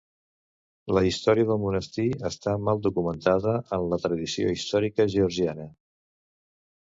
La història del monestir està mal documentada en la tradició històrica georgiana.